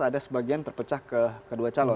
ada sebagian terpecah ke kedua calon